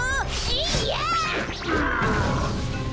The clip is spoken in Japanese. いや。